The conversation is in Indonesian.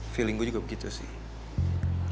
feeling gue juga begitu sih